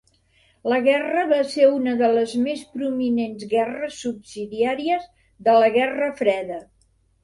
La guerra va ser una de les més prominents guerres subsidiàries de la Guerra Freda.